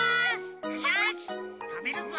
よしたべるぞ。